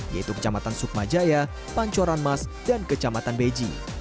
yaitu kecamatan sukmajaya pancoran mas dan kecamatan beji